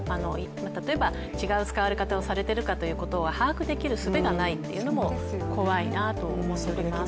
例えば違う使われ方をされてることを把握するすべがないということも怖いなと思います。